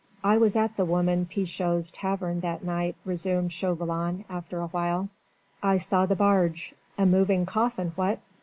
"I was at the woman Pichot's tavern that night," resumed Chauvelin after a while. "I saw the barge a moving coffin, what?